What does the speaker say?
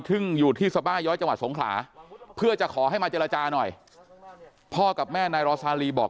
ซึ่งอยู่ที่สบาย้อยจังหวัดสงขลาเพื่อจะขอให้มาเจรจาหน่อยพ่อกับแม่นายรอซาลีบอก